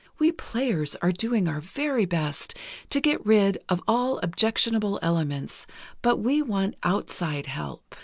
We players are doing our very best to get rid of all objectionable elements, but we want outside help.